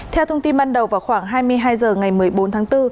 theo thông tin ban đầu vào khoảng hai mươi hai h ngày một mươi bốn tháng bốn